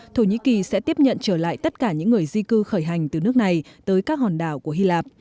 thổ nhĩ kỳ sẽ tiếp nhận trở lại tất cả những người di cư khởi hành từ nước này tới các hòn đảo của hy lạp